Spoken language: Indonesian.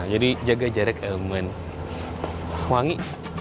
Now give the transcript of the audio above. jadi jaga jarak emang wangi